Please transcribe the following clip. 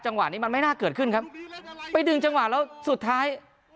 วะนี้มันไม่น่าเกิดขึ้นครับไปดึงจังหวะแล้วสุดท้าย